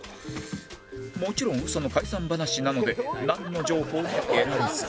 もちろん嘘の解散話なのでなんの情報も得られず